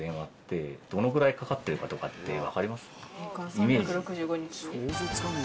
イメージで。